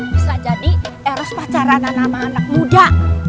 bisa jadi eros pacaran nama anak muda